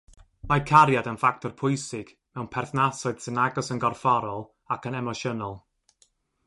Mae cariad yn ffactor pwysig mewn perthnasoedd sy'n agos yn gorfforol ac yn emosiynol.